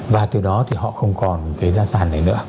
và từ đó thì họ không còn cái giá sàn này nữa